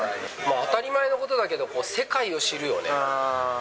当たり前のことだけど、世界を知るよね。